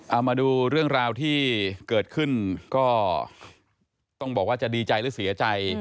เอามาดูเรื่องราวที่เกิดขึ้นก็ต้องบอกว่าจะดีใจหรือเสียใจ